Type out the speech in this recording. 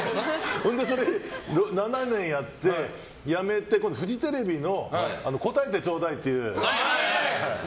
ずっといて７年やって、やめて今度はフジテレビの「こたえてちょーだい！」っていう。